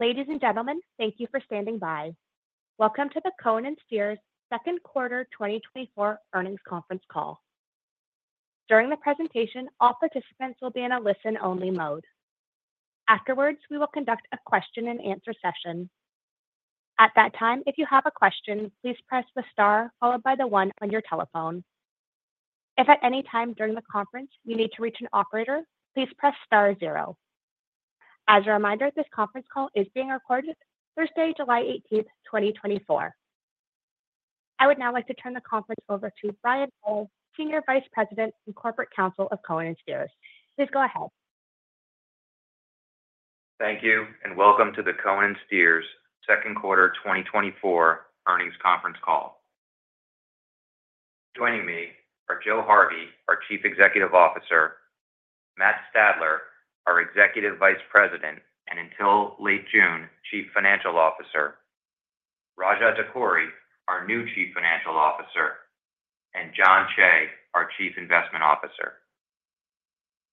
Ladies and gentlemen, thank you for standing by. Welcome to the Cohen & Steers second quarter 2024 earnings conference call. During the presentation, all participants will be in a listen-only mode. Afterwards, we will conduct a question-and-answer session. At that time, if you have a question, please press the star followed by the one on your telephone. If at any time during the conference you need to reach an operator, please press star 0. As a reminder, this conference call is being recorded Thursday, July 18, 2024. I would now like to turn the conference over to Brian Heller, Senior Vice President and Corporate Counsel of Cohen & Steers. Please go ahead. Thank you, and welcome to the Cohen & Steers second quarter 2024 earnings conference call. Joining me are Joe Harvey, our Chief Executive Officer, Matt Stadler, our Executive Vice President, and until late June, Chief Financial Officer, Raja Dakkuri, our new Chief Financial Officer, and Jon Cheigh, our Chief Investment Officer.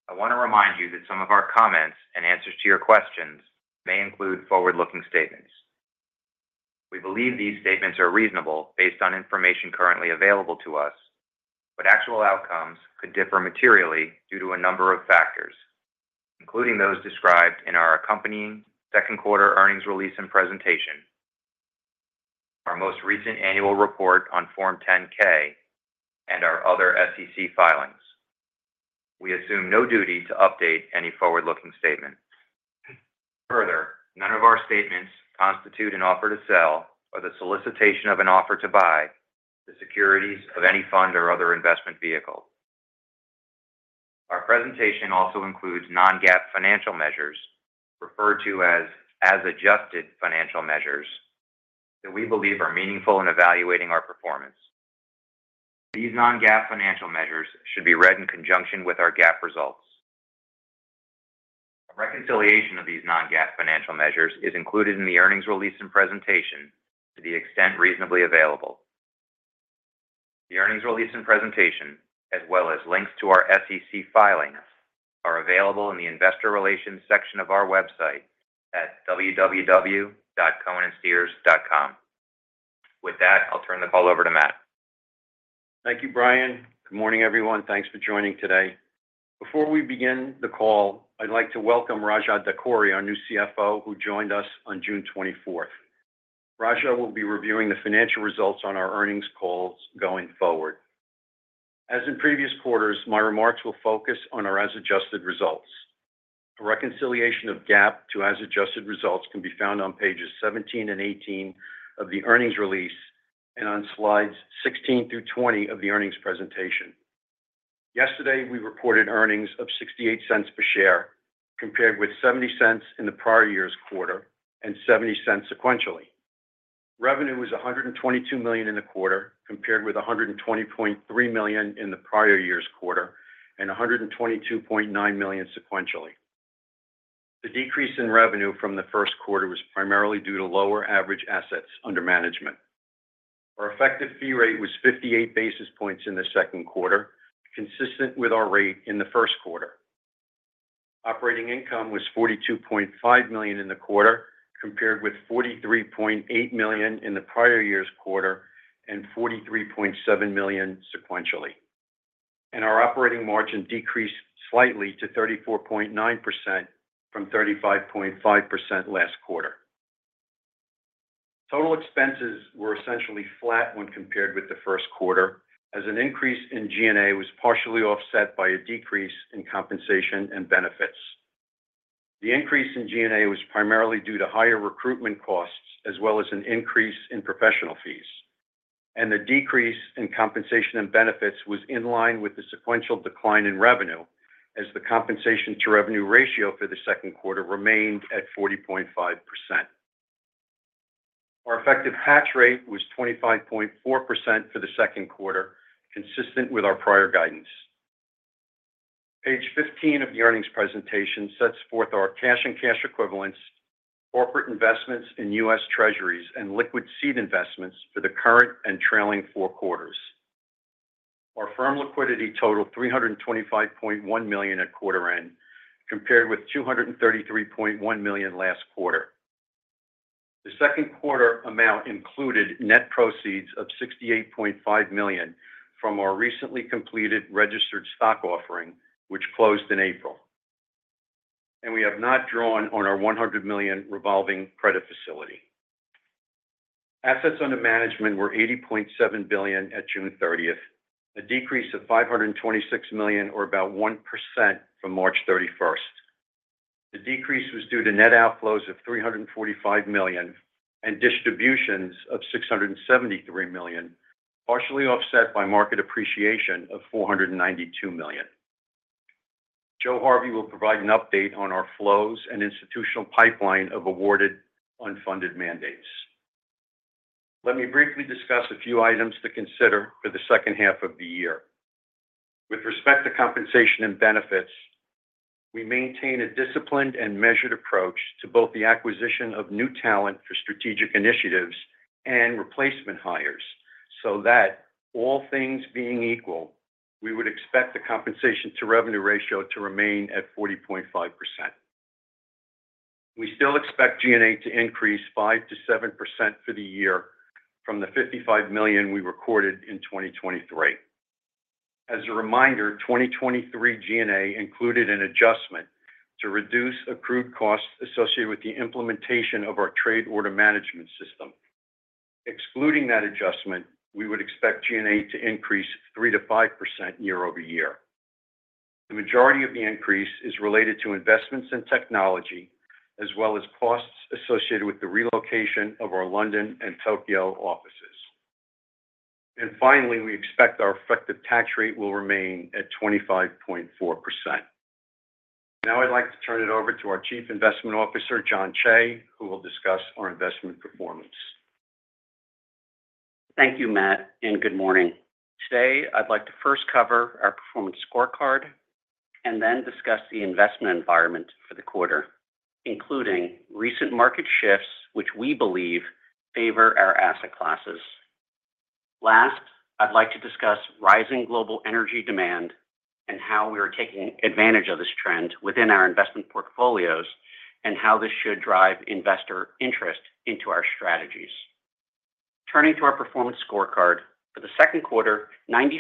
I want to remind you that some of our comments and answers to your questions may include forward-looking statements. We believe these statements are reasonable based on information currently available to us, but actual outcomes could differ materially due to a number of factors, including those described in our accompanying second quarter earnings release and presentation, our most recent annual report on Form 10-K and our other SEC filings. We assume no duty to update any forward-looking statement. Further, none of our statements constitute an offer to sell or the solicitation of an offer to buy the securities of any fund or other investment vehicle. Our presentation also includes non-GAAP financial measures, referred to as adjusted financial measures that we believe are meaningful in evaluating our performance. These non-GAAP financial measures should be read in conjunction with our GAAP results. A reconciliation of these non-GAAP financial measures is included in the earnings release and presentation to the extent reasonably available. The earnings release and presentation, as well as links to our SEC filings, are available in the Investor Relations section of our website at www.cohenandsteers.com. With that, I'll turn the call over to Matt. Thank you, Brian. Good morning, everyone. Thanks for joining today. Before we begin the call, I'd like to welcome Raja Dakkuri, our new CFO, who joined us on June 24. Raja will be reviewing the financial results on our earnings calls going forward. As in previous quarters, my remarks will focus on our as-adjusted results. A reconciliation of GAAP to as-adjusted results can be found on pages 17 and 18 of the earnings release and on slides 16 through 20 of the earnings presentation. Yesterday, we reported earnings of $0.68 per share, compared with $0.70 in the prior year's quarter and $0.70 sequentially. Revenue was $122 million in the quarter, compared with $120.3 million in the prior year's quarter and $122.9 million sequentially. The decrease in revenue from the first quarter was primarily due to lower average assets under management. Our effective fee rate was 58 basis points in the second quarter, consistent with our rate in the first quarter. Operating income was $42.5 million in the quarter, compared with $43.8 million in the prior year's quarter and $43.7 million sequentially, and our operating margin decreased slightly to 34.9% from 35.5% last quarter. Total expenses were essentially flat when compared with the first quarter, as an increase in G&A was partially offset by a decrease in compensation and benefits. The increase in G&A was primarily due to higher recruitment costs, as well as an increase in professional fees, and the decrease in compensation and benefits was in line with the sequential decline in revenue, as the compensation to revenue ratio for the second quarter remained at 40.5%. Our effective tax rate was 25.4% for the second quarter, consistent with our prior guidance. Page 15 of the earnings presentation sets forth our cash and cash equivalents, corporate investments in U.S. Treasuries, and liquid seed investments for the current and trailing four quarters. Our firm liquidity totaled $325.1 million at quarter end, compared with $233.1 million last quarter. The second quarter amount included net proceeds of $68.5 million from our recently completed registered stock offering, which closed in April, and we have not drawn on our $100 million revolving credit facility. Assets under management were $80.7 billion at June thirtieth, a decrease of $526 million, or about 1% from March thirty-first. The decrease was due to net outflows of $345 million and distributions of $673 million, partially offset by market appreciation of $492 million. Joe Harvey will provide an update on our flows and institutional pipeline of awarded unfunded mandates. Let me briefly discuss a few items to consider for the second half of the year. With respect to compensation and benefits, we maintain a disciplined and measured approach to both the acquisition of new talent for strategic initiatives and replacement hires, so that all things being equal, we would expect the compensation to revenue ratio to remain at 40.5%. We still expect G&A to increase 5%-7% for the year from the $55 million we recorded in 2023. As a reminder, 2023 G&A included an adjustment to reduce accrued costs associated with the implementation of our trade order management system. Excluding that adjustment, we would expect G&A to increase 3%-5% year-over-year. The majority of the increase is related to investments in technology, as well as costs associated with the relocation of our London and Tokyo offices. Finally, we expect our effective tax rate will remain at 25.4%.Now, I'd like to turn it over to our Chief Investment Officer, Jon Cheigh, who will discuss our investment performance. Thank you, Matt, and good morning. Today, I'd like to first cover our performance scorecard and then discuss the investment environment for the quarter, including recent market shifts, which we believe favor our asset classes. Last, I'd like to discuss rising global energy demand and how we are taking advantage of this trend within our investment portfolios, and how this should drive investor interest into our strategies. Turning to our performance scorecard, for the second quarter, 96%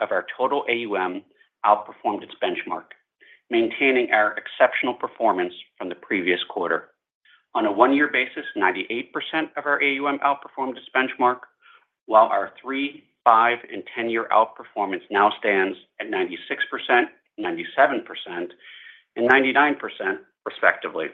of our total AUM outperformed its benchmark, maintaining our exceptional performance from the previous quarter. On a 1-year basis, 98% of our AUM outperformed its benchmark, while our 3-, 5-, and 10-year outperformance now stands at 96%, 97%, and 99% respectively.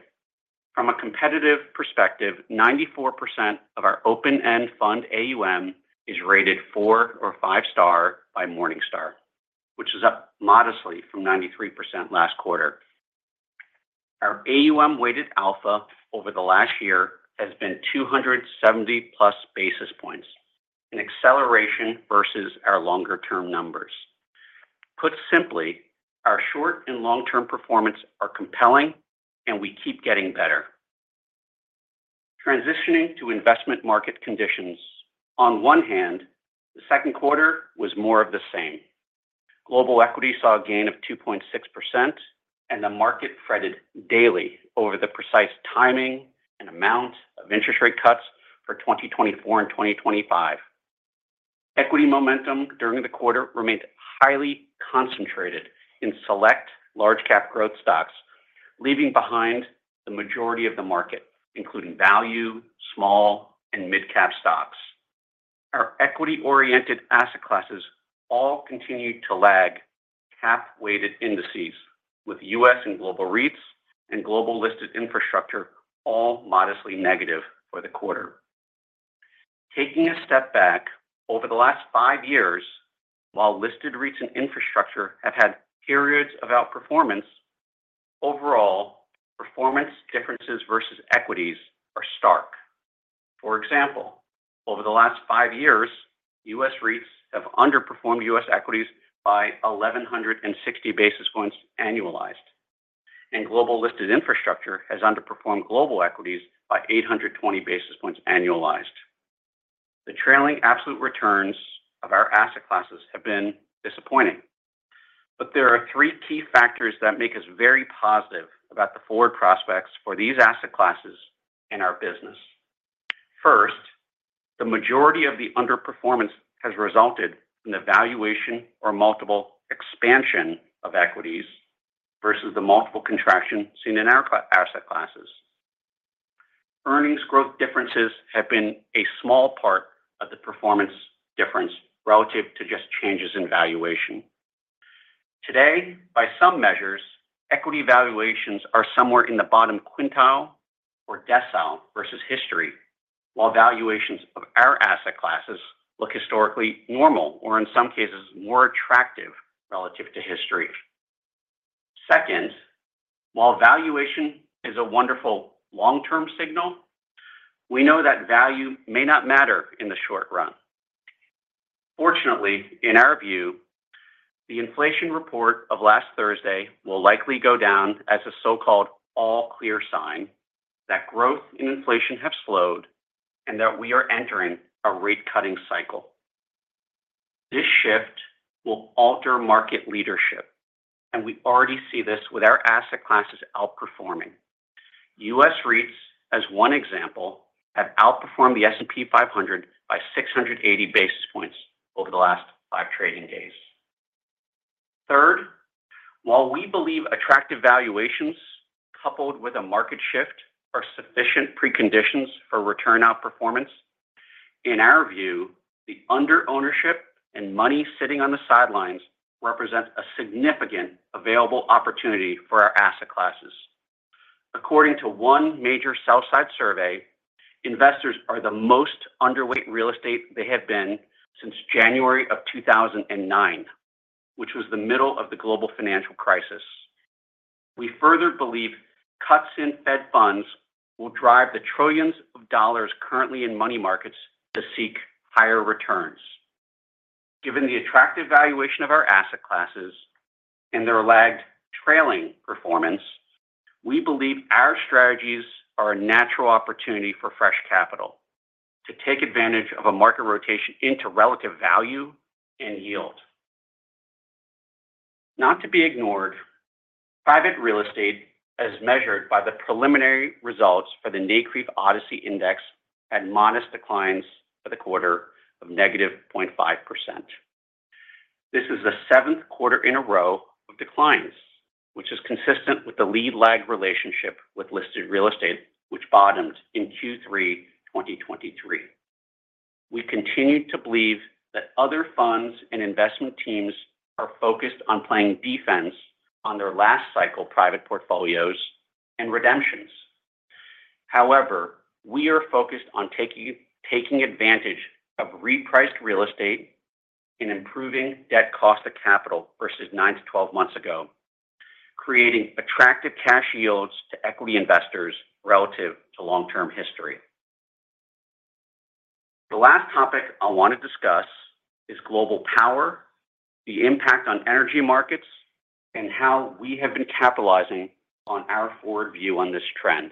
From a competitive perspective, 94% of our open-end fund AUM is rated four or five star by Morningstar, which is up modestly from 93% last quarter. Our AUM-weighted alpha over the last year has been 270+ basis points, an acceleration versus our longer-term numbers. Put simply, our short- and long-term performance are compelling, and we keep getting better. Transitioning to investment market conditions. On one hand, the second quarter was more of the same. Global equity saw a gain of 2.6%, and the market fretted daily over the precise timing and amount of interest rate cuts for 2024 and 2025. Equity momentum during the quarter remained highly concentrated in select large cap growth stocks, leaving behind the majority of the market, including value, small and mid-cap stocks. Our equity-oriented asset classes all continued to lag cap-weighted indices, with U.S. and global REITs and global listed infrastructure all modestly negative for the quarter. Taking a step back, over the last five years, while listed REITs and infrastructure have had periods of outperformance, overall, performance differences versus equities are stark. For example, over the last five years, U.S. REITs have underperformed U.S. equities by 1,160 basis points annualized, and global listed infrastructure has underperformed global equities by 820 basis points annualized. The trailing absolute returns of our asset classes have been disappointing, but there are three key factors that make us very positive about the forward prospects for these asset classes in our business. First, the majority of the underperformance has resulted in the valuation or multiple expansion of equities versus the multiple contraction seen in our asset classes. Earnings growth differences have been a small part of the performance difference relative to just changes in valuation. Today, by some measures, equity valuations are somewhere in the bottom quintile or decile versus history, while valuations of our asset classes look historically normal, or in some cases, more attractive relative to history. Second, while valuation is a wonderful long-term signal, we know that value may not matter in the short run. Fortunately, in our view, the inflation report of last Thursday will likely go down as a so-called all-clear sign that growth and inflation have slowed and that we are entering a rate-cutting cycle. This shift will alter market leadership, and we already see this with our asset classes outperforming. U.S. REITs, as one example, have outperformed the S&P 500 by 680 basis points over the last 5 trading days. Third, while we believe attractive valuations coupled with a market shift are sufficient preconditions for return outperformance, in our view, the under-ownership and money sitting on the sidelines represents a significant available opportunity for our asset classes. According to one major sell-side survey, investors are the most underweight real estate they have been since January 2009, which was the middle of the global financial crisis. We further believe cuts in Fed funds will drive the trillions of dollars currently in money markets to seek higher returns.... Given the attractive valuation of our asset classes and their lagged trailing performance, we believe our strategies are a natural opportunity for fresh capital to take advantage of a market rotation into relative value and yield. Not to be ignored, private real estate, as measured by the preliminary results for the NCREIF ODCE Index, had modest declines for the quarter of -0.5%. This is the seventh quarter in a row of declines, which is consistent with the lead-lag relationship with listed real estate, which bottomed in Q3 2023. We continue to believe that other funds and investment teams are focused on playing defense on their last cycle private portfolios and redemptions. However, we are focused on taking advantage of repriced real estate and improving debt cost of capital versus 9-12 months ago, creating attractive cash yields to equity investors relative to long-term history. The last topic I want to discuss is global power, the impact on energy markets, and how we have been capitalizing on our forward view on this trend.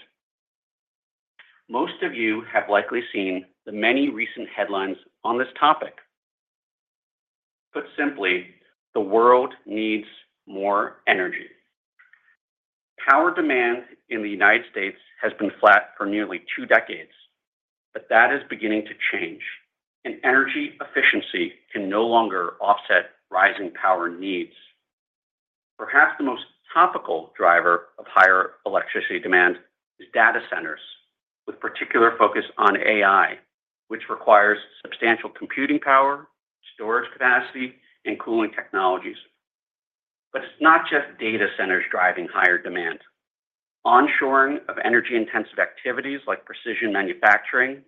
Most of you have likely seen the many recent headlines on this topic. Put simply, the world needs more energy. Power demand in the United States has been flat for nearly two decades, but that is beginning to change, and energy efficiency can no longer offset rising power needs. Perhaps the most topical driver of higher electricity demand is data centers, with particular focus on AI, which requires substantial computing power, storage capacity, and cooling technologies. But it's not just data centers driving higher demand. Onshoring of energy-intensive activities like precision manufacturing,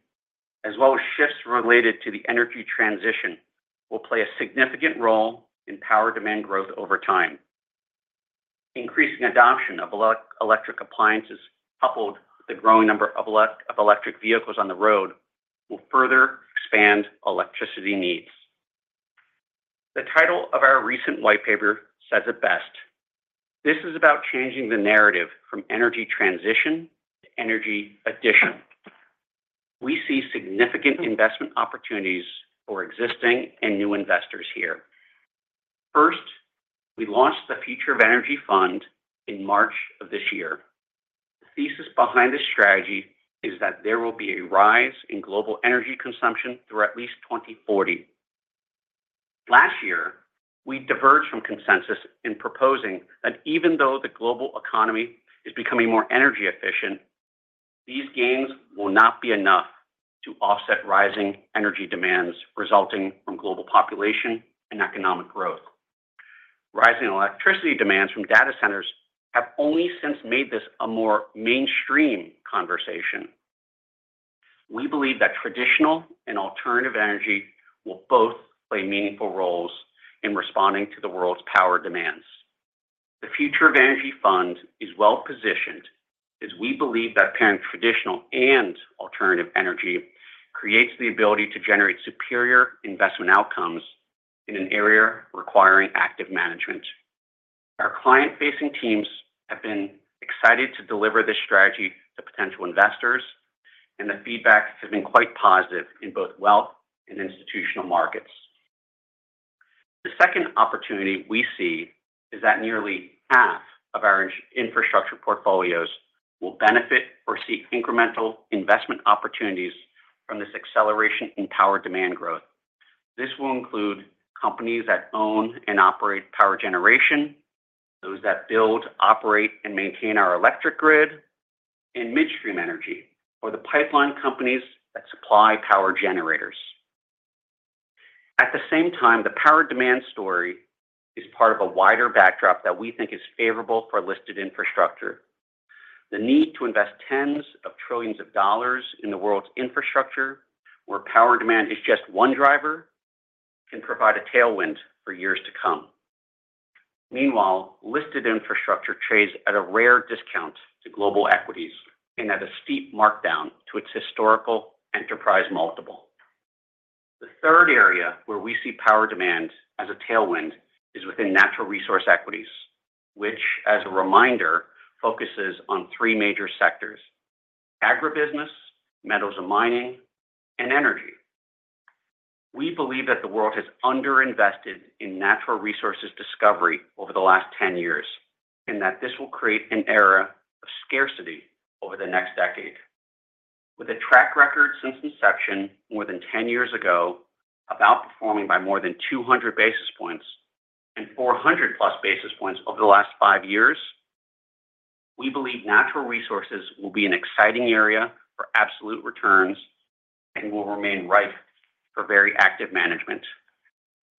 as well as shifts related to the energy transition, will play a significant role in power demand growth over time. Increasing adoption of electric appliances, coupled with the growing number of electric vehicles on the road, will further expand electricity needs. The title of our recent white paper says it best: This is about changing the narrative from energy transition to energy addition. We see significant investment opportunities for existing and new investors here. First, we launched the Future of Energy Fund in March of this year. The thesis behind this strategy is that there will be a rise in global energy consumption through at least 2040. Last year, we diverged from consensus in proposing that even though the global economy is becoming more energy efficient, these gains will not be enough to offset rising energy demands resulting from global population and economic growth. Rising electricity demands from data centers have only since made this a more mainstream conversation. We believe that traditional and alternative energy will both play meaningful roles in responding to the world's power demands. The Future of Energy Fund is well-positioned, as we believe that pairing traditional and alternative energy creates the ability to generate superior investment outcomes in an area requiring active management. Our client-facing teams have been excited to deliver this strategy to potential investors, and the feedback has been quite positive in both wealth and institutional markets. The second opportunity we see is that nearly half of our infrastructure portfolios will benefit or see incremental investment opportunities from this acceleration in power demand growth. This will include companies that own and operate power generation, those that build, operate, and maintain our electric grid, and midstream energy or the pipeline companies that supply power generators. At the same time, the power demand story is part of a wider backdrop that we think is favorable for listed infrastructure. The need to invest tens of trillions of dollars in the world's infrastructure, where power demand is just one driver, can provide a tailwind for years to come. Meanwhile, listed infrastructure trades at a rare discount to global equities and at a steep markdown to its historical enterprise multiple. The third area where we see power demand as a tailwind is within natural resource equities, which, as a reminder, focuses on 3 major sectors: agribusiness, metals and mining, and energy. We believe that the world has underinvested in natural resources discovery over the last 10 years, and that this will create an era of scarcity over the next decade. With a track record since inception more than 10 years ago, outperforming by more than 200 basis points and 400+ basis points over the last 5 years, we believe natural resources will be an exciting area for absolute returns and will remain ripe for very active management.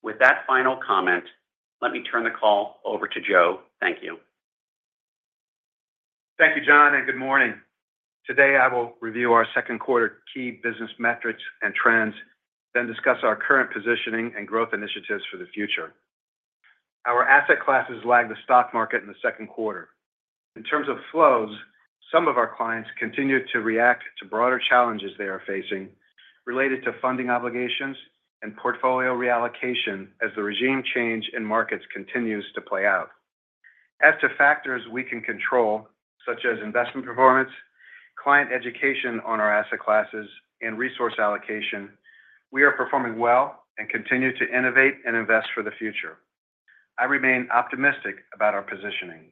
With that final comment, let me turn the call over to Joe. Thank you. Thank you, Jon, and good morning. Today, I will review our second quarter key business metrics and trends, then discuss our current positioning and growth initiatives for the future.... Our asset classes lagged the stock market in the second quarter. In terms of flows, some of our clients continued to react to broader challenges they are facing related to funding obligations and portfolio reallocation as the regime change in markets continues to play out. As to factors we can control, such as investment performance, client education on our asset classes, and resource allocation, we are performing well and continue to innovate and invest for the future. I remain optimistic about our positioning.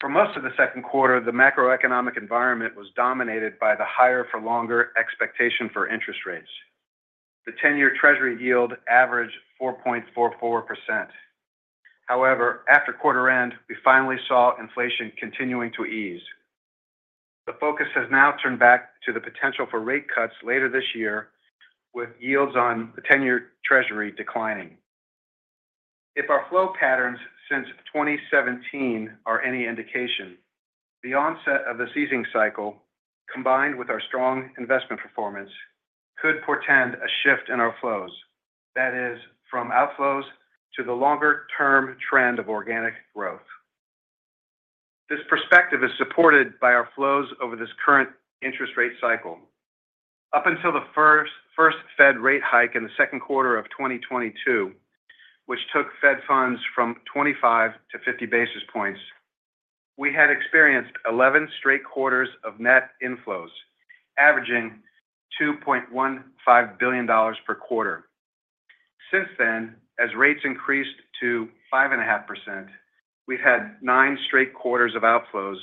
For most of the second quarter, the macroeconomic environment was dominated by the higher-for-longer expectation for interest rates. The ten-year treasury yield averaged 4.44%. However, after quarter end, we finally saw inflation continuing to ease. The focus has now turned back to the potential for rate cuts later this year, with yields on the 10-year Treasury declining. If our flow patterns since 2017 are any indication, the onset of the easing cycle, combined with our strong investment performance, could portend a shift in our flows. That is, from outflows to the longer-term trend of organic growth. This perspective is supported by our flows over this current interest rate cycle. Up until the first Fed rate hike in the second quarter of 2022, which took Fed funds from 25 to 50 basis points, we had experienced 11 straight quarters of net inflows, averaging $2.15 billion per quarter. Since then, as rates increased to 5.5%, we've had 9 straight quarters of outflows,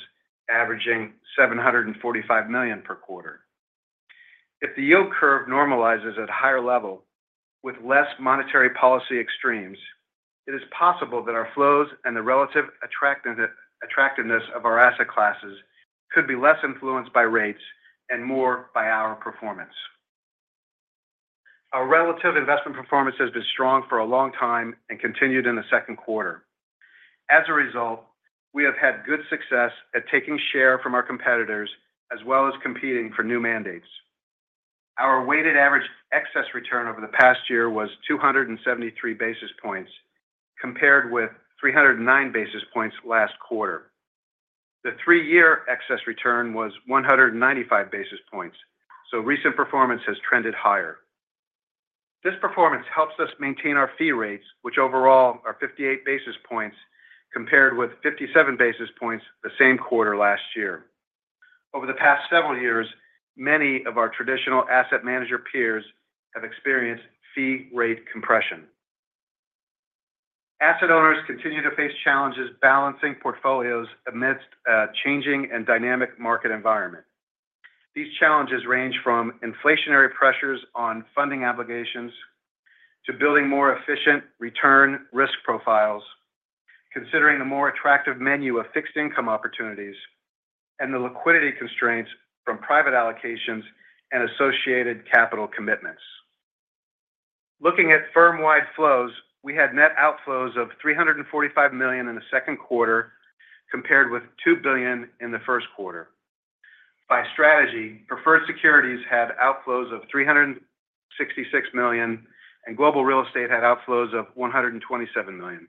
averaging $745 million per quarter. If the yield curve normalizes at a higher level with less monetary policy extremes, it is possible that our flows and the relative attractiveness of our asset classes could be less influenced by rates and more by our performance. Our relative investment performance has been strong for a long time and continued in the second quarter. As a result, we have had good success at taking share from our competitors, as well as competing for new mandates. Our weighted average excess return over the past year was 273 basis points, compared with 309 basis points last quarter. The three-year excess return was 195 basis points, so recent performance has trended higher. This performance helps us maintain our fee rates, which overall are 58 basis points, compared with 57 basis points the same quarter last year. Over the past several years, many of our traditional asset manager peers have experienced fee rate compression. Asset owners continue to face challenges balancing portfolios amidst a changing and dynamic market environment. These challenges range from inflationary pressures on funding obligations to building more efficient return risk profiles, considering the more attractive menu of fixed income opportunities and the liquidity constraints from private allocations and associated capital commitments. Looking at firm-wide flows, we had net outflows of $345 million in the second quarter, compared with $2 billion in the first quarter. By strategy, preferred securities had outflows of $366 million, and global real estate had outflows of $127 million,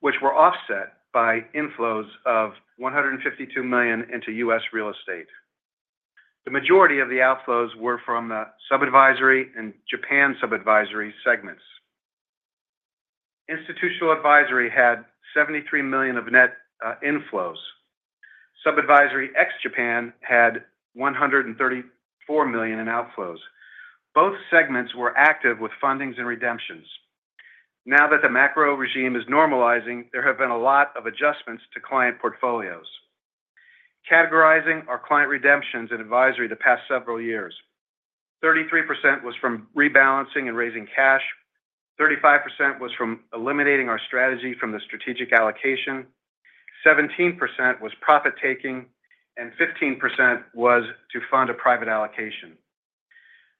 which were offset by inflows of $152 million into U.S. real estate. The majority of the outflows were from the sub-advisory and Japan sub-advisory segments. Institutional advisory had $73 million of net inflows. Sub-advisory ex-Japan had $134 million in outflows. Both segments were active with fundings and redemptions. Now that the macro regime is normalizing, there have been a lot of adjustments to client portfolios. Categorizing our client redemptions and advisory the past several years, 33% was from rebalancing and raising cash, 35% was from eliminating our strategy from the strategic allocation, 17% was profit-taking, and 15% was to fund a private allocation.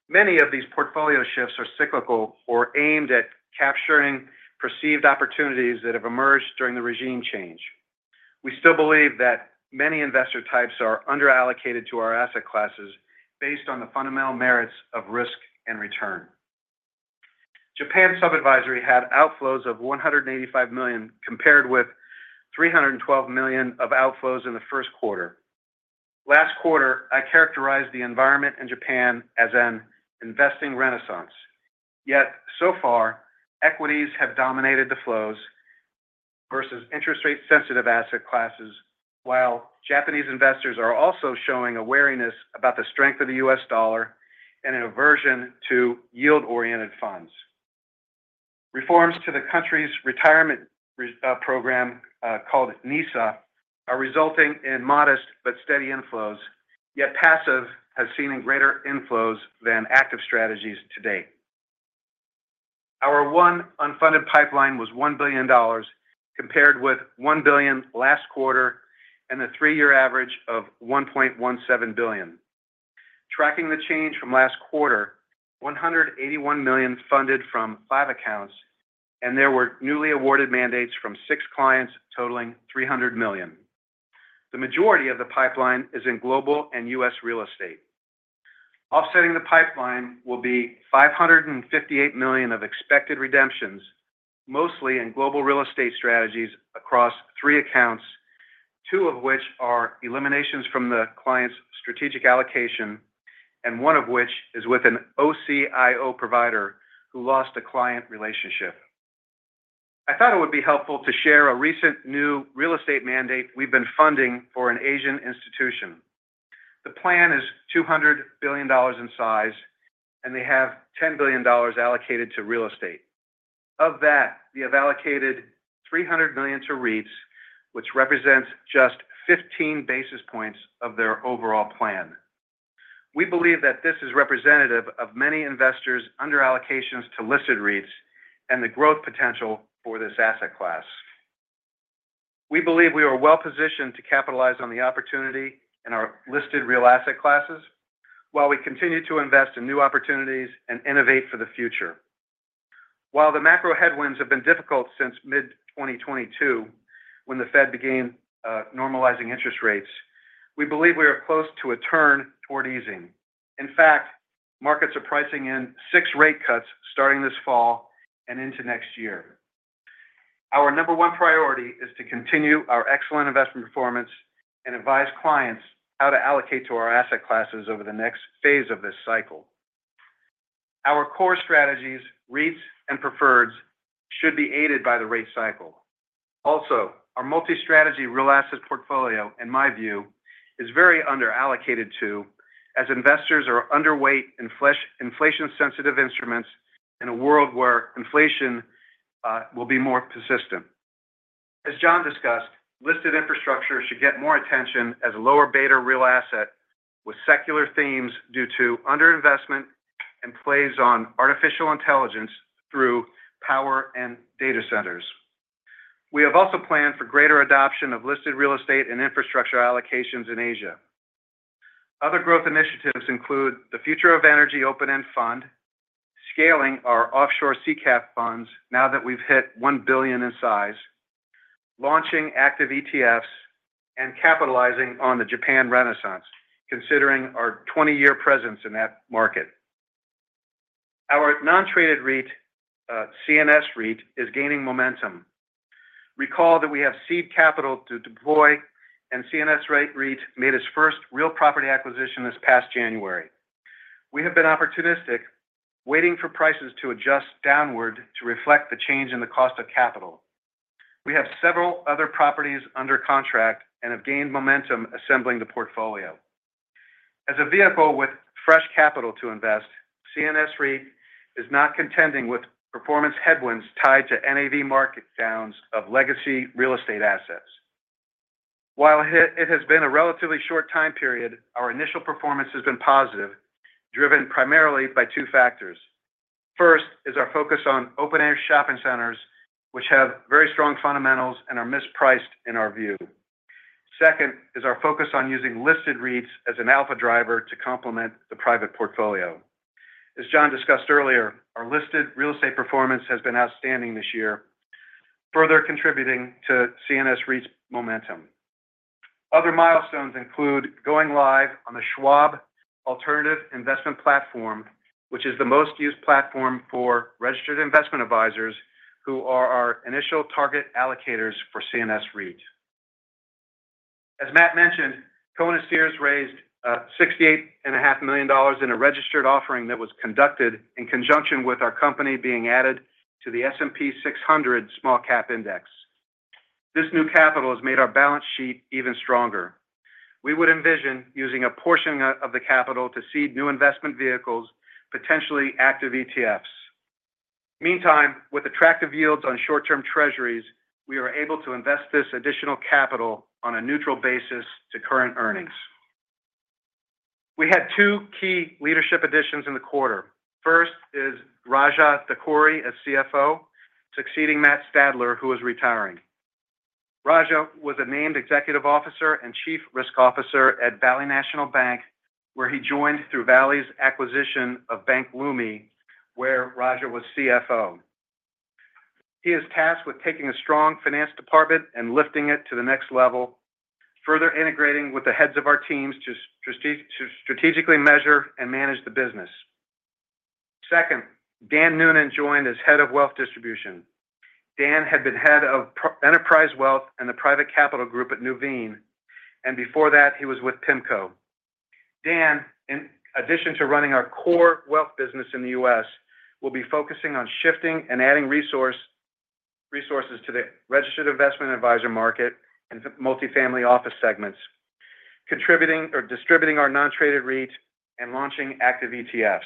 Many of these portfolio shifts are cyclical or aimed at capturing perceived opportunities that have emerged during the regime change. We still believe that many investor types are under-allocated to our asset classes based on the fundamental merits of risk and return. Japan sub-advisory had outflows of $185 million, compared with $312 million of outflows in the first quarter. Last quarter, I characterized the environment in Japan as an investing renaissance. Yet so far, equities have dominated the flows versus interest rate-sensitive asset classes, while Japanese investors are also showing a wariness about the strength of the U.S. dollar and an aversion to yield-oriented funds. Reforms to the country's retirement program called NISA are resulting in modest but steady inflows, yet passive has seen greater inflows than active strategies to date. Our $1 billion unfunded pipeline was $1 billion, compared with $1 billion last quarter and a 3-year average of $1.17 billion. Tracking the change from last quarter, $181 million funded from 5 accounts, and there were newly awarded mandates from 6 clients, totaling $300 million. The majority of the pipeline is in global and U.S. real estate... offsetting the pipeline will be $558 million of expected redemptions, mostly in global real estate strategies across 3 accounts, 2 of which are eliminations from the client's strategic allocation, and 1 of which is with an OCIO provider who lost a client relationship. I thought it would be helpful to share a recent new real estate mandate we've been funding for an Asian institution. The plan is $200 billion in size, and they have $10 billion allocated to real estate. Of that, they have allocated $300 million to REITs, which represents just 15 basis points of their overall plan. We believe that this is representative of many investors under allocations to listed REITs and the growth potential for this asset class. We believe we are well-positioned to capitalize on the opportunity in our listed real asset classes, while we continue to invest in new opportunities and innovate for the future. While the macro headwinds have been difficult since mid-2022, when the Fed began normalizing interest rates, we believe we are close to a turn toward easing. In fact, markets are pricing in 6 rate cuts starting this fall and into next year. Our number one priority is to continue our excellent investment performance and advise clients how to allocate to our asset classes over the next phase of this cycle. Our core strategies, REITs and Preferreds, should be aided by the rate cycle. Also, our multi-strategy real asset portfolio, in my view, is very under-allocated to, as investors are underweight in inflation-sensitive instruments in a world where inflation will be more persistent. As Jon discussed, listed infrastructure should get more attention as a lower beta real asset with secular themes due to underinvestment and plays on artificial intelligence through power and data centers. We have also planned for greater adoption of listed real estate and infrastructure allocations in Asia. Other growth initiatives include the Future of Energy open-end fund, scaling our offshore SICAV funds now that we've hit $1 billion in size, launching active ETFs, and capitalizing on the Japan Renaissance, considering our 20-year presence in that market. Our non-traded REIT, CNS REIT, is gaining momentum. Recall that we have seed capital to deploy, and CNS REIT made its first real property acquisition this past January. We have been opportunistic, waiting for prices to adjust downward to reflect the change in the cost of capital. We have several other properties under contract and have gained momentum assembling the portfolio. As a vehicle with fresh capital to invest, CNS REIT is not contending with performance headwinds tied to NAV market downs of legacy real estate assets. While it has been a relatively short time period, our initial performance has been positive, driven primarily by two factors. First, is our focus on open-air shopping centers, which have very strong fundamentals and are mispriced in our view. Second, is our focus on using listed REITs as an alpha driver to complement the private portfolio. As Jon discussed earlier, our listed real estate performance has been outstanding this year, further contributing to CNS REIT's momentum. Other milestones include going live on the Schwab Alternative Investment Platform, which is the most used platform for registered investment advisors who are our initial target allocators for CNS REIT. As Matt mentioned, Cohen & Steers raised $68.5 million in a registered offering that was conducted in conjunction with our company being added to the S&P SmallCap 600. This new capital has made our balance sheet even stronger. We would envision using a portion of the capital to seed new investment vehicles, potentially active ETFs. Meantime, with attractive yields on short-term Treasuries, we are able to invest this additional capital on a neutral basis to current earnings. We had two key leadership additions in the quarter. First is Raja Dakkuri as CFO, succeeding Matt Stadler, who is retiring. Raja was a named Executive Officer and Chief Risk Officer at Valley National Bank, where he joined through Valley's acquisition of Bank Leumi USA, where Raja was CFO. He is tasked with taking a strong finance department and lifting it to the next level, further integrating with the heads of our teams to strategically measure and manage the business. Second, Dan Noonan joined as Head of Wealth Distribution. Dan had been head of Product Enterprise Wealth and the Private Capital Group at Nuveen, and before that, he was with PIMCO. Dan, in addition to running our core wealth business in the U.S., will be focusing on shifting and adding resources to the registered investment advisor market and multifamily office segments, contributing or distributing our non-traded REITs and launching active ETFs.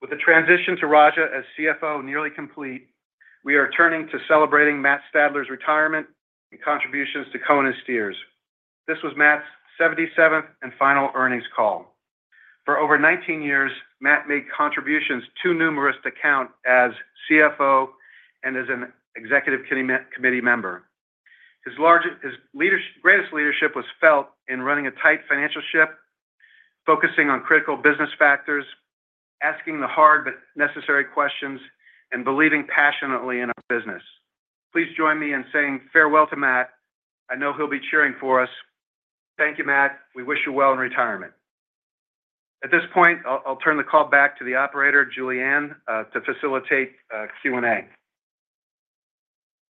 With the transition to Raja as CFO nearly complete, we are turning to celebrating Matt Stadler's retirement and contributions to Cohen & Steers. This was Matt's 77th and final earnings call. For over 19 years, Matt made contributions too numerous to count as CFO and as an executive committee member. His greatest leadership was felt in running a tight financial ship, focusing on critical business factors, asking the hard but necessary questions, and believing passionately in our business.... Please join me in saying farewell to Matt. I know he'll be cheering for us. Thank you, Matt. We wish you well in retirement. At this point, I'll turn the call back to the operator, Julianne, to facilitate Q&A.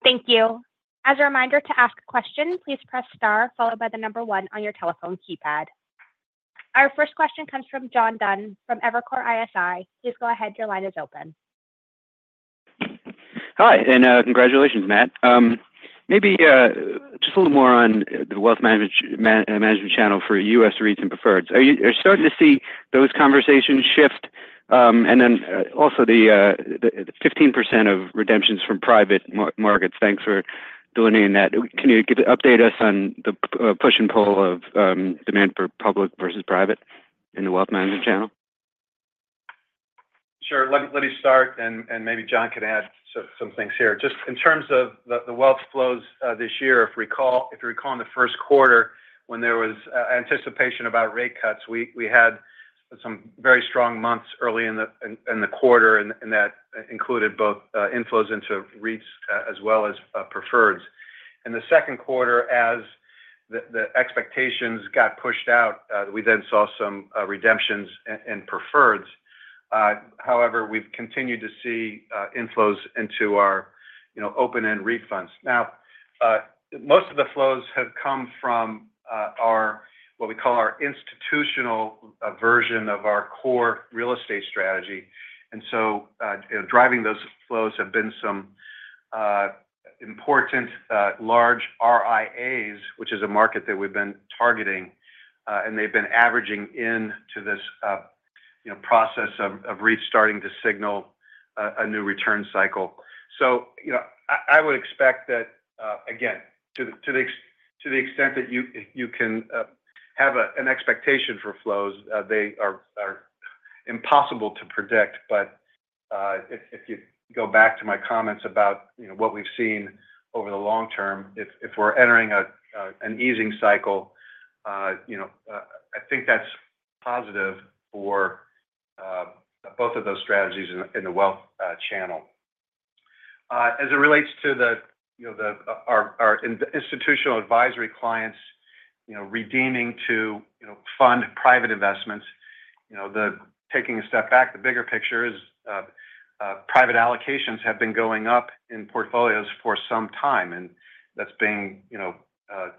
Thank you. As a reminder to ask a question, please press star followed by the number one on your telephone keypad. Our first question comes from John Dunn from Evercore ISI. Please go ahead. Your line is open. Hi, and congratulations, Matt. Maybe just a little more on the wealth management channel for US REITs and preferreds. Are you starting to see those conversations shift? And then also the 15% of redemptions from private markets. Thanks for donating that. Can you update us on the push and pull of demand for public versus private in the wealth management channel? Sure. Let me start, and maybe Jon can add some things here. Just in terms of the wealth flows this year, if you recall in the first quarter, when there was anticipation about rate cuts, we had some very strong months early in the quarter, and that included both inflows into REITs as well as preferreds. In the second quarter, as the expectations got pushed out, we then saw some redemptions in preferreds. However, we've continued to see inflows into our open-end REIT funds. Now, most of the flows have come from our, what we call our institutional version of our core real estate strategy, and so, driving those flows have been some important large RIAs, which is a market that we've been targeting, and they've been averaging in to this process of REITs starting to signal a new return cycle. so I would expect that, again, to the extent that you can have an expectation for flows, they are impossible to predict. But, if you go back to my comments about what we've seen over the long term, if we're entering an easing cycle I think that's positive for both of those strategies in the wealth channel. As it relates to the our institutional advisory clients redeeming to fund private investments taking a step back, the bigger picture is private allocations have been going up in portfolios for some time, and that's been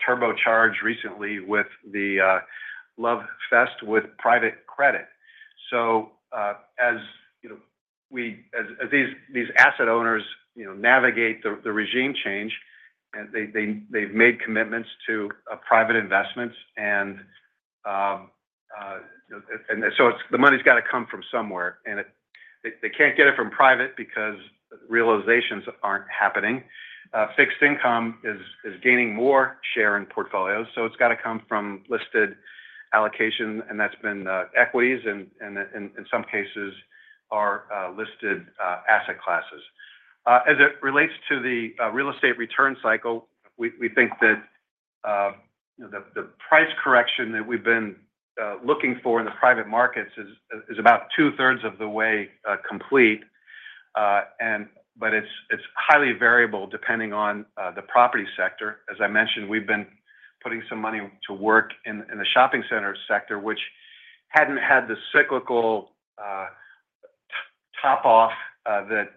turbocharged recently with the love fest with private credit. As you know, as these asset owners navigate the regime change, and they, they’ve made commitments to private investments, and so it’s the money’s got to come from somewhere, and they can’t get it from private because realizations aren’t happening. Fixed income is gaining more share in portfolios, so it’s got to come from listed allocation, and that’s been equities and, in some cases, our listed asset classes. As it relates to the real estate return cycle, we think that the price correction that we’ve been looking for in the private markets is about two-thirds of the way complete, and but it’s highly variable, depending on the property sector. As I mentioned, we've been putting some money to work in the shopping center sector, which hadn't had the cyclical top off that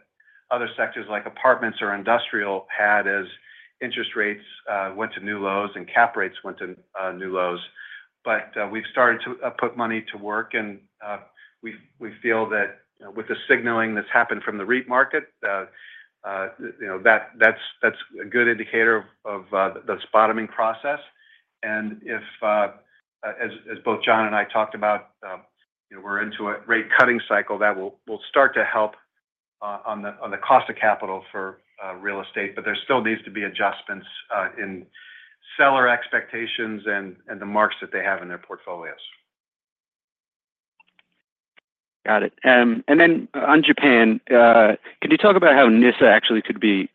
other sectors like apartments or industrial had as interest rates went to new lows and cap rates went to new lows. But we've started to put money to work, and we feel that, with the signaling that's happened from the REIT market that's a good indicator of the bottoming process. And if, as both Jon and I talked about we're into a rate-cutting cycle that will start to help on the cost of capital for real estate, but there still needs to be adjustments in seller expectations and the marks that they have in their portfolios. Got it. And then on Japan, could you talk about how NISA actually could be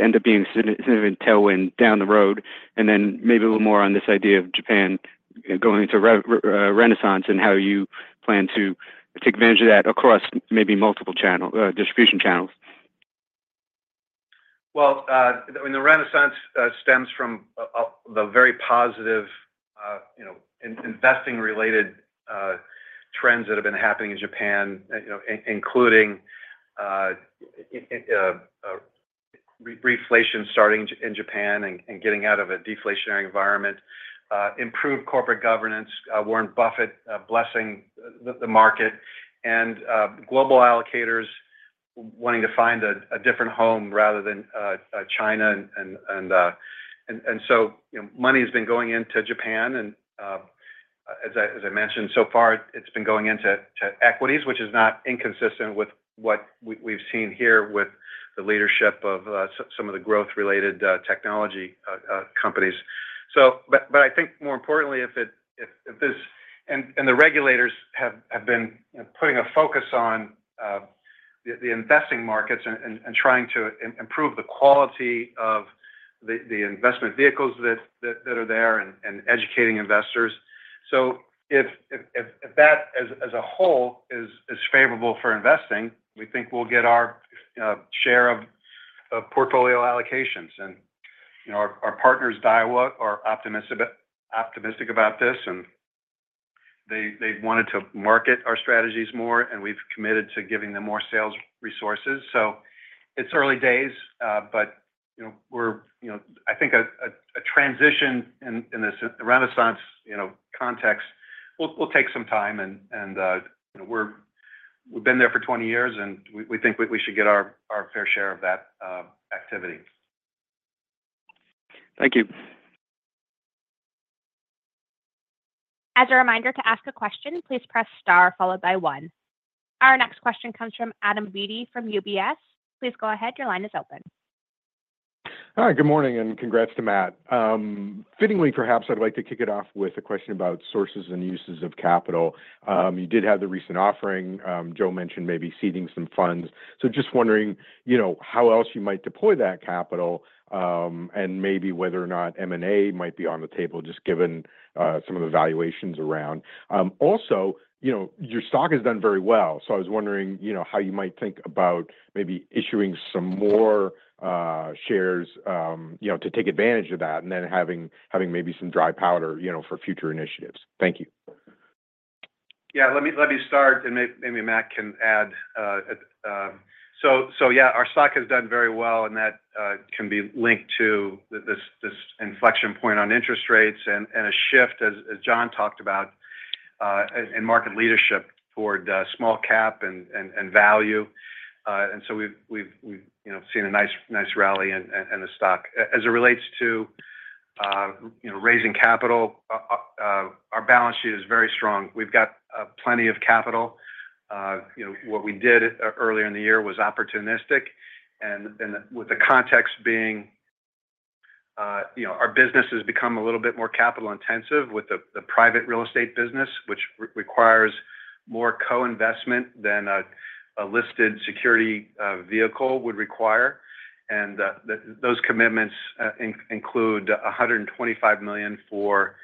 end up being a significant tailwind down the road? And then maybe a little more on this idea of Japan going into renaissance and how you plan to take advantage of that across maybe multiple channel distribution channels. Well, I mean, the renaissance stems from the very positive investing-related trends that have been happening in japan including reflation starting in Japan and getting out of a deflationary environment, improved corporate governance, Warren Buffett blessing the market, and global allocators wanting to find a different home rather than China and... And so money has been going into Japan, and as I mentioned, so far it's been going into equities, which is not inconsistent with what we've seen here with the leadership of some of the growth-related technology companies. But I think more importantly, if this and the regulators have been putting a focus on the investing markets and trying to improve the quality of the investment vehicles that are there and educating investors. So if that as a whole is favorable for investing, we think we'll get our share of portfolio allocations. and our partners, Daiwa, are optimistic about this, and they've wanted to market our strategies more, and we've committed to giving them more sales resources. So it's early days, but we're, you know... I think a transition in this renaissance context will take some time, and you know, we've been there for 20 years, and we think we should get our fair share of that activity. Thank you. As a reminder, to ask a question, please press star followed by one. Our next question comes from Adam Beatty from UBS. Please go ahead. Your line is open. Hi, good morning, and congrats to Matt. Fittingly, perhaps I'd like to kick it off with a question about sources and uses of capital. You did have the recent offering. Joe mentioned maybe seeding some funds. So just wondering how else you might deploy that capital, and maybe whether or not M&A might be on the table, just given some of the valuations around. also your stock has done very well, so I was wondering how you might think about maybe issuing some more shares to take advantage of that, and then having, having maybe some dry powder for future initiatives. Thank you. Yeah. Let me, let me start, and maybe Matt can add. So, so yeah, our stock has done very well, and that can be linked to this inflection point on interest rates and a shift, as Jon talked about, in market leadership toward small cap and value. And so we've, we've seen a nice rally in the stock. As it relates to raising capital, our balance sheet is very strong. We've got plenty of capital. You know, what we did earlier in the year was opportunistic, and with the context being our business has become a little bit more capital-intensive with the private real estate business, which requires more co-investment than a listed security vehicle would require. And those commitments include $125 million for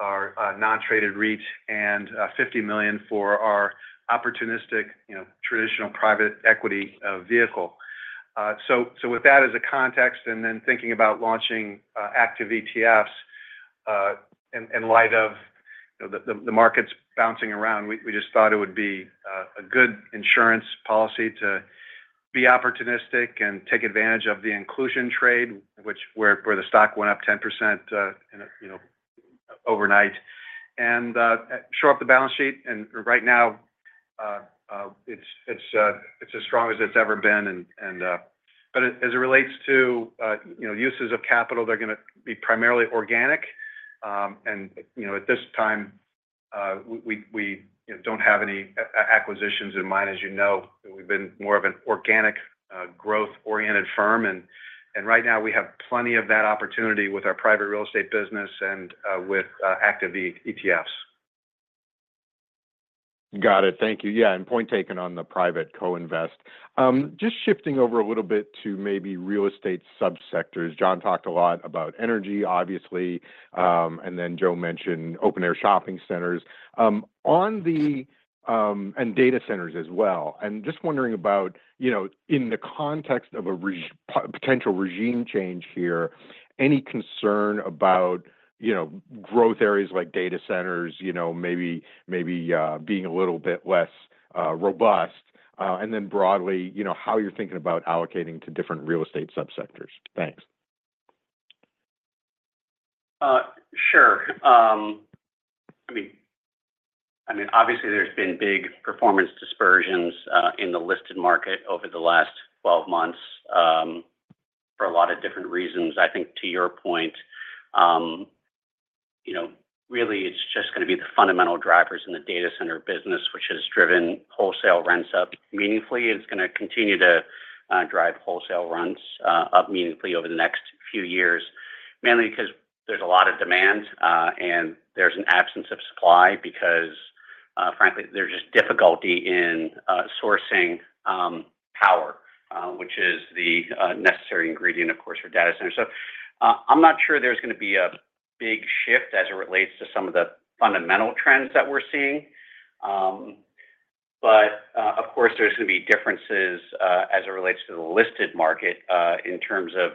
our non-traded REIT and $50 million for our opportunistic traditional private equity vehicle. So, with that as a context and then thinking about launching active ETFs in light of the markets bouncing around, we just thought it would be a good insurance policy to be opportunistic and take advantage of the inclusion trade, where the stock went up 10% overnight, and shore up the balance sheet. And right now, it's as strong as it's ever been. But as it relates to uses of capital, they're gonna be primarily organic. and at this time, we don't have any acquisitions in mind. As you know, we've been more of an organic, growth-oriented firm, and right now, we have plenty of that opportunity with our private real estate business and with active ETFs. Got it. Thank you. Yeah, and point taken on the private co-invest. Just shifting over a little bit to maybe real estate subsectors. John talked a lot about energy, obviously, and then Joe mentioned open-air shopping centers and data centers as well. And just wondering about in the context of a potential regime change here, any concern about growth areas like data centers maybe being a little bit less robust? And then broadly how you're thinking about allocating to different real estate subsectors. Thanks. Sure. I mean, obviously, there's been big performance dispersions in the listed market over the last 12 months for a lot of different reasons. I think to your point really, it's just gonna be the fundamental drivers in the data center business, which has driven wholesale rents up meaningfully, and it's gonna continue to drive wholesale rents up meaningfully over the next few years. Mainly because there's a lot of demand and there's an absence of supply because, frankly, there's just difficulty in sourcing power, which is the necessary ingredient, of course, for data centers. So, I'm not sure there's gonna be a big shift as it relates to some of the fundamental trends that we're seeing. But, of course, there's gonna be differences, as it relates to the listed market, in terms of,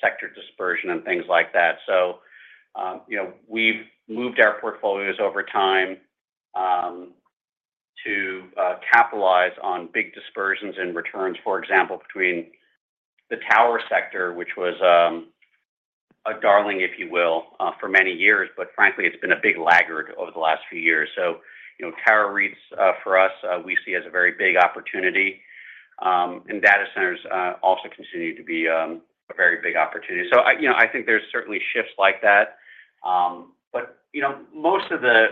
sector dispersion and things like that. so we've moved our portfolios over time, to, capitalize on big dispersions in returns, for example, between the tower sector, which was, a darling, if you will, for many years, but frankly, it's been a big laggard over the last few years. so tower REITs, for us, we see as a very big opportunity, and data centers, also continue to be, a very big opportunity. So i I think there's certainly shifts like that. but most of the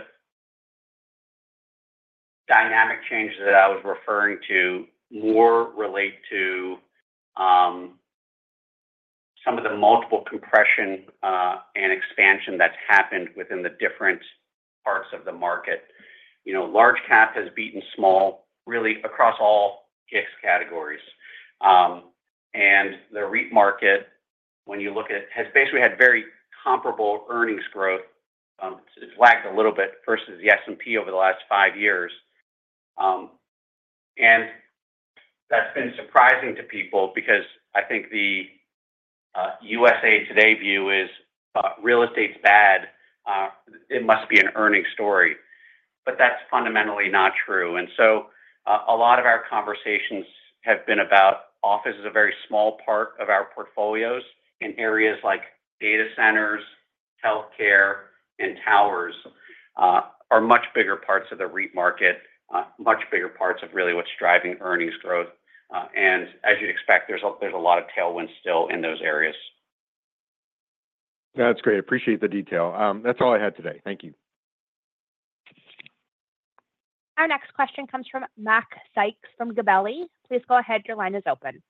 dynamic changes that I was referring to more relate to some of the multiple compression and expansion that's happened within the different parts of the market. You know, large cap has beaten small, really across all GICS categories. And the REIT market when you look at, has basically had very comparable earnings growth, it's lagged a little bit versus the S&P over the last five years. And that's been surprising to people because I think the, USA Today view is, real estate's bad, it must be an earnings story. But that's fundamentally not true. And so, a lot of our conversations have been about office is a very small part of our portfolios in areas like data centers, healthcare, and towers, are much bigger parts of the REIT market, much bigger parts of really what's driving earnings growth. And as you'd expect, there's a lot of tailwinds still in those areas. That's great. Appreciate the detail. That's all I had today. Thank you. Our next question comes from Mac Sykes from Gabelli. Please go ahead, your line is open.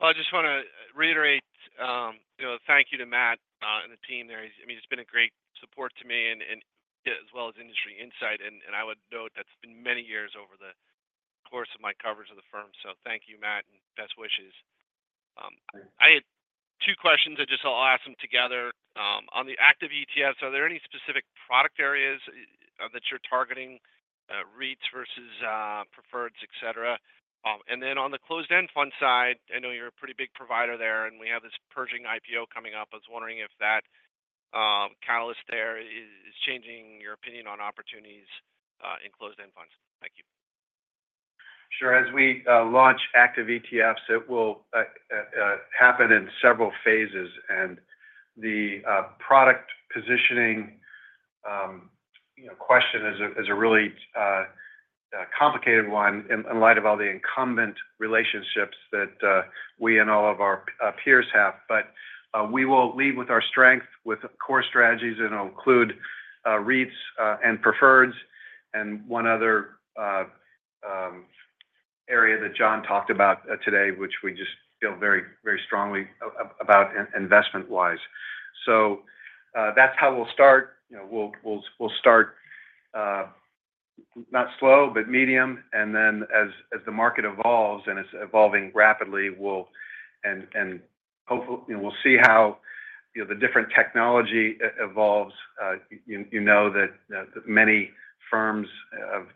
Well, I just wanna reiterate thank you to Matt, and the team there. He's—I mean, he's been a great support to me and, as well as industry insight, and I would note that it's been many years over the course of my coverage of the firm. So thank you, Matt, and best wishes. I had two questions. I'll ask them together. On the active ETFs, are there any specific product areas that you're targeting, REITs versus preferreds, et cetera? And then on the closed-end fund side, I know you're a pretty big provider there, and we have this Pershing IPO coming up. I was wondering if that catalyst there is changing your opinion on opportunities in closed-end funds. Thank you. Sure. As we launch active ETFs, it will happen in several phases, and the product positioning question is a really complicated one in light of all the incumbent relationships that we and all of our peers have. But we will lead with our strength, with core strategies, and it'll include REITs and preferreds, and one other area that Jon talked about today, which we just feel very, very strongly about investment-wise. So that's how we'll start. You know, we'll start not slow, but medium, and then as the market evolves, and it's evolving rapidly, we'll... And we'll see how the different technology evolves. You know that many firms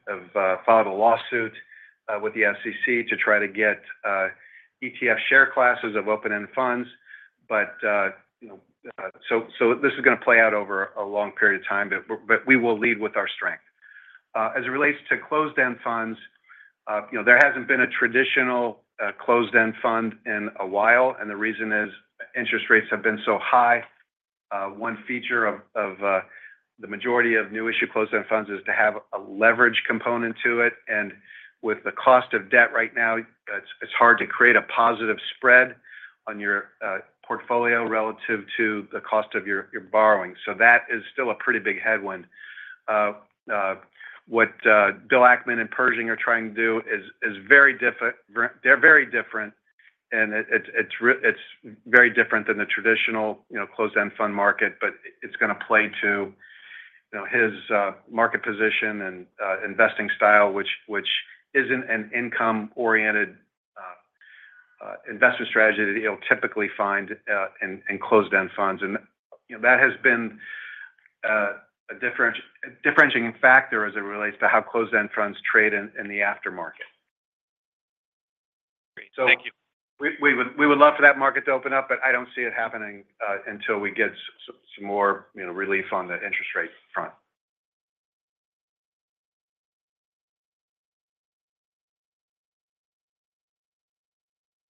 have filed a lawsuit with the SEC to try to get ETF share classes of open-end funds. But you know, so this is gonna play out over a long period of time, but we will lead with our strength. As it relates to closed-end funds there hasn't been a traditional closed-end fund in a while, and the reason is interest rates have been so high. One feature of the majority of new issue closed-end funds is to have a leverage component to it, and with the cost of debt right now, it's hard to create a positive spread on your portfolio relative to the cost of your borrowing. So that is still a pretty big headwind. What Bill Ackman and Pershing are trying to do is very different, they're very different, and it's very different than the traditional closed-end fund market, but it's gonna play to his market position and investing style, which isn't an income-oriented investor strategy that you'll typically find in closed-end funds. and that has been a differentiating factor as it relates to how closed-end funds trade in the aftermarket. Great. Thank you. We would love for that market to open up, but I don't see it happening until we get some more relief on the interest rate front.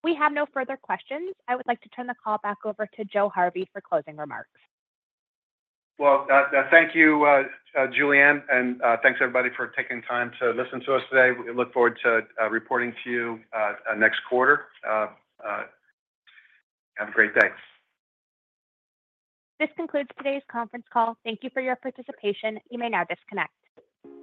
We have no further questions. I would like to turn the call back over to Joe Harvey for closing remarks. Well, thank you, Julianne, and thanks, everybody, for taking the time to listen to us today. We look forward to reporting to you next quarter. Have a great day. This concludes today's conference call. Thank you for your participation. You may now disconnect.